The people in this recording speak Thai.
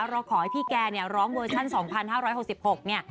เราขอให้พี่แกเนี่ยร้องเวอร์ชัน๒๕๖๖เนี่ย